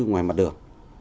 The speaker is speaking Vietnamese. ngoài mặt đường